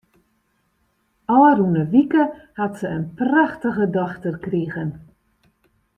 Ofrûne wike hat se in prachtige dochter krigen.